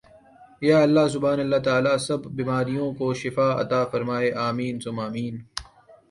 یا اللّٰہ سبحان اللّٰہ تعالی سب بیماروں کو شفاء عطاء فرمائے آمین ثم آمین